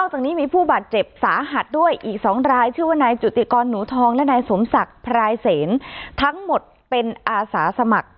อกจากนี้มีผู้บาดเจ็บสาหัสด้วยอีก๒รายชื่อว่านายจุติกรหนูทองและนายสมศักดิ์พรายเสนทั้งหมดเป็นอาสาสมัคร